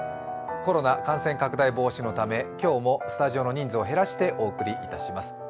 コロナ感染拡大防止のため今日もスタジオの人数を減らしてお送りします。